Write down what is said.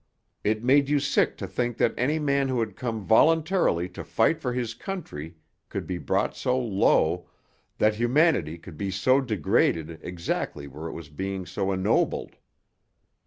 It made you sick to think that any man who had come voluntarily to fight for his country could be brought so low, that humanity could be so degraded exactly where it was being so ennobled.